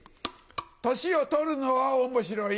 年を取るのは面白い。